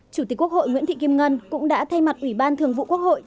chủ tịch quốc hội nguyễn thị kim ngân cũng đã thay mặt ủy ban thường vụ quốc hội